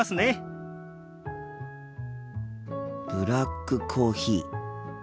心の声ブラックコーヒー。